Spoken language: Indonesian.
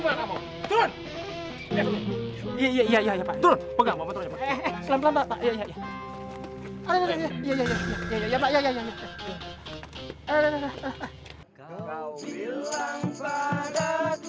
kau bilang padamu